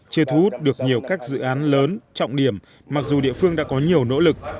chưa thu hút được nhiều các dự án lớn trọng điểm mặc dù địa phương đã có nhiều nỗ lực